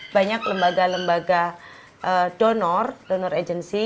banyak lembaga lembaga donor donor agency